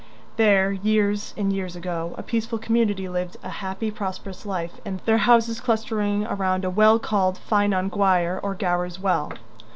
There, years and years ago, a peaceful community lived a happy, prosperous life in their houses clustering around a well called Ffynnon Gwyer, or Gower's Well.